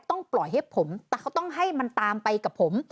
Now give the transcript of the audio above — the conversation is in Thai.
ต้องปล่อยให้ผมแต่เขาต้องให้มันตามไปกับผม